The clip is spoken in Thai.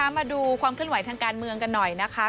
มาดูความเคลื่อนไหวทางการเมืองกันหน่อยนะคะ